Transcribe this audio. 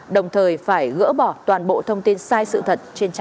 đồng thời phải gỡ bỏ toàn bộ thông tin sai sự thật trên trang cá nhân